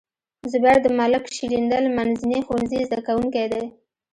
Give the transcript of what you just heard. زبير د ملک شیریندل منځني ښوونځي زده کوونکی دی.